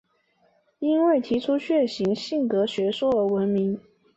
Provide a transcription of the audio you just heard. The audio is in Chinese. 因为提出血型性格学说而闻名。